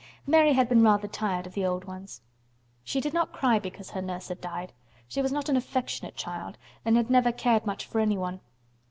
Mary had been rather tired of the old ones. She did not cry because her nurse had died. She was not an affectionate child and had never cared much for anyone.